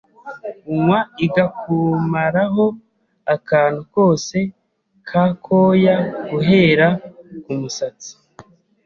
unywa igakumaraho akantu kose k’akoya guhera ku musatsi